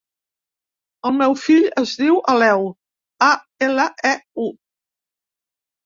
El meu fill es diu Aleu: a, ela, e, u.